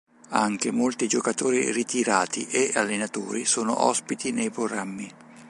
Anche molti giocatori ritirati e allenatori sono ospiti nei programmi